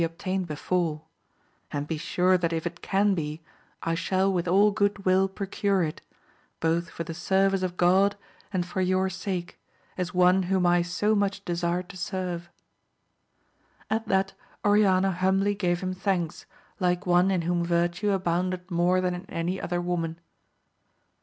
obtained before : and be sure that if it can be, I shall with all good will procure it, both for the service of God, and for your sake, as one whom I so much desire to serve. At that Oriana humbly gave him thanks, like one in whom virtue abounded more than in any other woman.